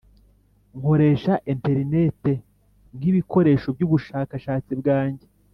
nkoresha interineti nkibikoresho byubushakashatsi bwanjye.